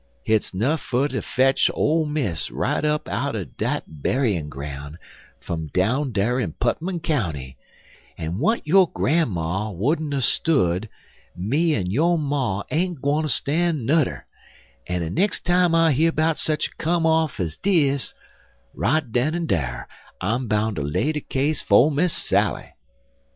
Hit's nuff fer ter fetch ole Miss right up out'n dat berryin' groun' fum down dar in Putmon County, en w'at yo' gran'ma wouldn't er stood me en yo' ma ain't gwineter stan' nudder, en de nex time I hear 'bout sech a come off ez dis, right den en dar I'm boun' ter lay de case 'fo' Miss Sally.